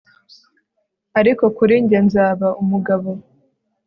ariko kuri njye, nzaba umugabo